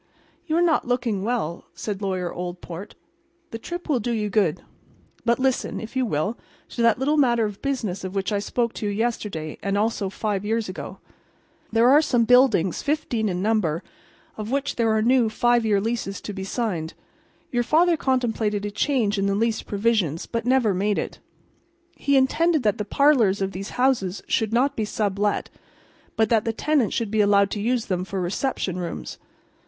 "You are not looking well," said Lawyer Oldport. "The trip will do you good. But listen, if you will, to that little matter of business of which I spoke to you yesterday, and also five years ago. There are some buildings, fifteen in number, of which there are new five year leases to be signed. Your father contemplated a change in the lease provisions, but never made it. He intended that the parlors of these houses should not be sub let, but that the tenants should be allowed to use them for reception rooms.